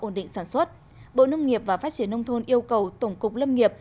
ổn định sản xuất bộ nông nghiệp và phát triển nông thôn yêu cầu tổng cục lâm nghiệp